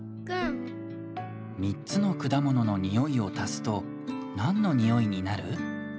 みっつのくだもののにおいをたすとなんのにおいになる？